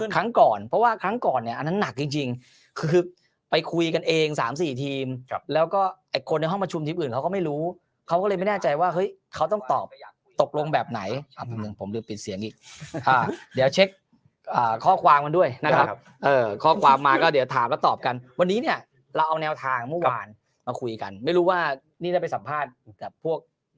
ครั้งก่อนเพราะว่าครั้งก่อนเนี่ยอันนั้นหนักจริงคือไปคุยกันเอง๓๔ทีมแล้วก็ไอ้คนในห้องประชุมทีมอื่นเขาก็ไม่รู้เขาก็เลยไม่แน่ใจว่าเฮ้ยเขาต้องตอบตกลงแบบไหนผมลืมปิดเสียงอีกเดี๋ยวเช็คข้อความมันด้วยนะครับข้อความมาก็เดี๋ยวถามแล้วตอบกันวันนี้เนี่ยเราเอาแนวทางเมื่อวานมาคุยกันไม่รู้ว่านี่ได้ไปสัมภาษณ์กับพวก